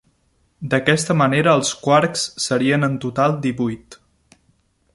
D'aquesta manera els quarks serien en total divuit.